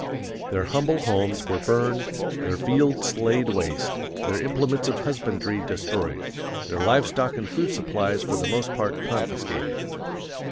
Their humble homes were burned, their fields laid waste, their implements of husbandry destroyed, their live stock and food supplies for the most part confiscated.